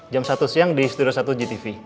jam satu siang di studio satu gtv